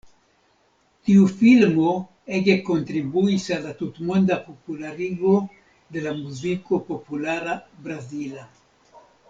Tiu filmo ege kontribuis al la tutmonda popularigo de la Muziko Populara Brazila.